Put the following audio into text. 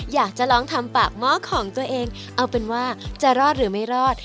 อยากจะลองทำปากหม้อของตัวเองเอาเป็นว่าจะรอดหรือไม่รอด